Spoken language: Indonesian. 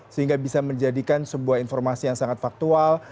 sehingga bisa menjadikan sebuah informasi yang sangat faktual